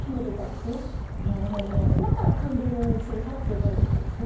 だから完全能力主義者っていう事になるんですね。